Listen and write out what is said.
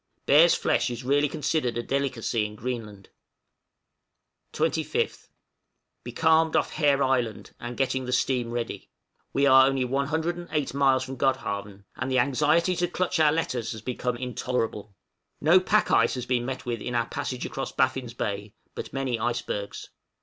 Bear's flesh is really considered a delicacy in Greenland. 25th. Becalmed off Hare Island, and getting the steam ready. We are only 108 miles from Godhavn, and the anxiety to clutch our letters has become intolerable. No pack ice has been met with in our passage across Baffin's Bay, but many icebergs.